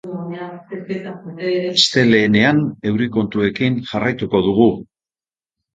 Astelehenean, euri kontuekin jarraituko dugu.